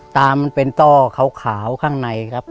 มันเป็นต้อขาวข้างในครับ